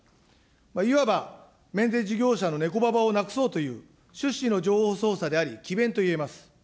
いわば、免税事業者のねこばばをなくそうという趣旨の情報操作であり、きべんといえます。